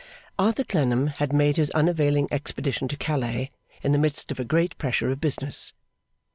Arthur Clennam had made his unavailing expedition to Calais in the midst of a great pressure of business.